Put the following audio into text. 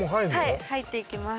はい入っていきます